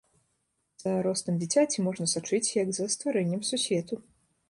За ростам дзіцяці можна сачыць як за стварэннем сусвету.